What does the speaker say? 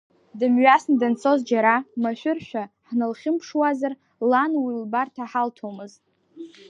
Дымҩасны данцоз џьара машәыршәа ҳналхьымԥшуазар, лан уи лбарҭа ҳалҭомызт.